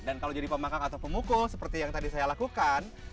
dan kalau jadi pemakang atau pemukul seperti yang tadi saya lakukan